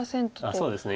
そうですね